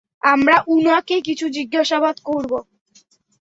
আমরা উনাকে কিছু জিজ্ঞাসাবাদ করব।